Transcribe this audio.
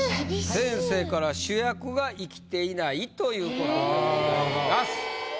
先生から「主役が生きていない！」ということでございます。